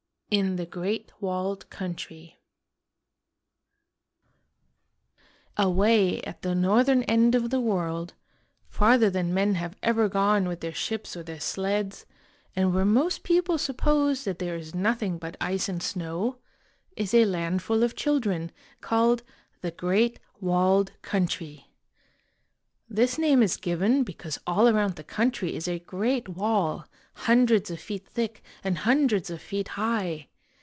In the Great Walled Country A WAY at the northern end of the world, farther than men have ever gone with their ships or their sleds, and where most people suppose that there is nothing but ice and snow, is a land full of children, called The Great Walled Country. This name is given 138 IN THE GREAT WALLED COUNTRY because all around the country is a great wall, hundreds of feet thick and hundreds of feet high.